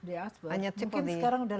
the iceberg mungkin sekarang sudah